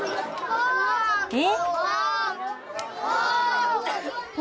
えっ？